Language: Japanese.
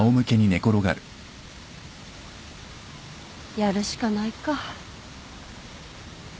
やるしかないか。